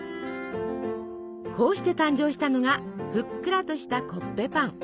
こうして誕生したのがふっくらとした「コッペパン」。